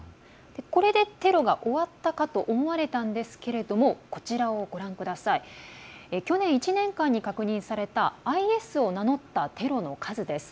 これでテロが終わったかと思われたんですけど去年１年間に確認されたＩＳを名乗ったテロの数です。